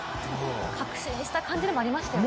確信した感じではありましたよね。